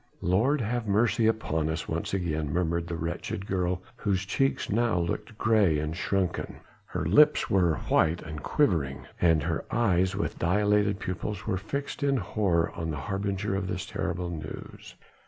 "Lord, have mercy upon us," once again murmured the wretched girl whose cheeks now looked grey and shrunken; her lips were white and quivering and her eyes with dilated pupils were fixed in horror on the harbinger of this terrible news.